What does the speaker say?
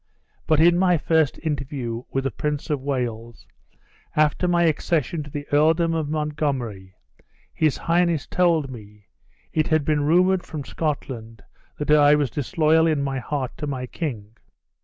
But in my first interview with the Prince of Wales, after my accession to the Earldom of Montgomery, his highness told me, it had been rumored from Scotland that I was disloyal in my heart to my king.